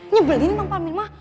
nyebelin bang parmin mah